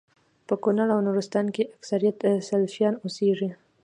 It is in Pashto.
په کونړ او نورستان کي اکثريت سلفيان اوسيږي